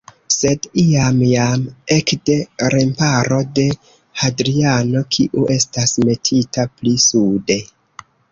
Sed iam jam ekde remparo de Hadriano, kiu estas metita pli sude.